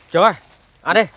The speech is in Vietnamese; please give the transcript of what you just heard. trời ơi ăn đi